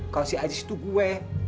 kalo si ajis tuh gue